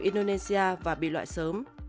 indonesia và bị loại sớm